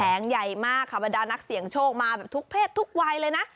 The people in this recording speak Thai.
ใหญ่มากค่ะบรรดานักเสี่ยงโชคมาแบบทุกเพศทุกวัยเลยนะ